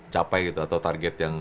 capai gitu atau target yang